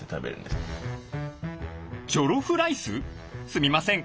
すみません。